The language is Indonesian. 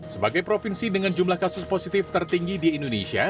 sebagai provinsi dengan jumlah kasus positif tertinggi di indonesia